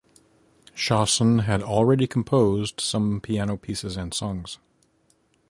Chausson had already composed some piano pieces and songs.